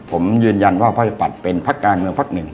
ผมยืนยันว่าพระอุปัติเป็นภักดิ์การเมืองภักดิ์หนึ่ง